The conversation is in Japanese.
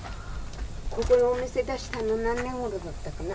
ここのお店出したの何年ごろだったかな？